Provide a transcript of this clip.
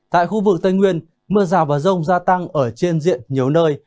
tại khu vực tây nguyên mưa rào và rông gia tăng ở trên diện nhiều nơi